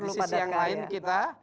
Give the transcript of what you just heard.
di sisi yang lain kita